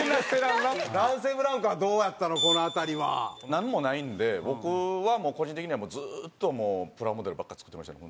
なんもないんで僕はもう個人的にはずっとプラモデルばっか作ってましたね